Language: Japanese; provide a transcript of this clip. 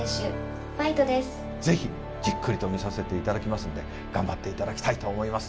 ぜひ、じっくりと見させていただきますので頑張っていただきたいと思います。